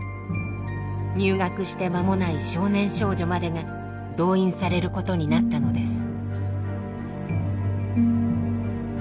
入学して間もない少年少女までが動員されることになったのです。